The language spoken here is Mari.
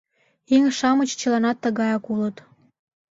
Еҥ-шамыч чыланат тыгаяк улыт.